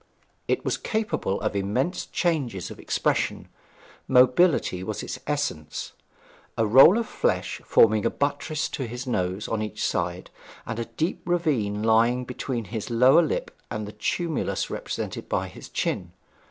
It was capable of immense changes of expression: mobility was its essence, a roll of flesh forming a buttress to his nose on each side, and a deep ravine lying between his lower lip and the tumulus represented by his chin.